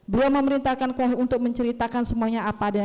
beliau memerintahkan koh untuk menceritakan semuanya apa ada